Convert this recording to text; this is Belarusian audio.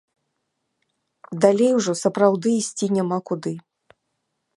Далей ужо сапраўды ісці няма куды.